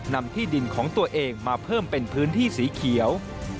นำที่ดินของตัวเองมาเพิ่มเป็นพื้นที่สีเขียว